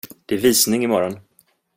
Det är visning i morgon.